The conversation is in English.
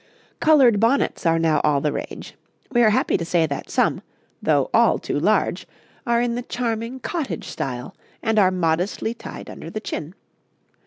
'Coloured bonnets are now all the rage; we are happy to say that some, though all too large, are in the charming cottage style, and are modestly tied under the chin.